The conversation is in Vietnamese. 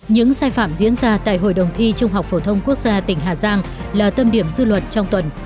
những sai phạm diễn ra tại hội đồng thi trung học phổ thông quốc gia tỉnh hà giang là tâm điểm dư luận trong tuần